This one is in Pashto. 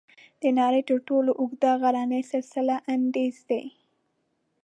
د نړۍ تر ټولو اوږد غرنی سلسله "انډیز" ده.